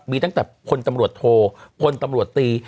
มีตั้งแต่พลตำรวจโทพลตำรวจตี